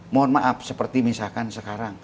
mohon maaf seperti misalkan sekarang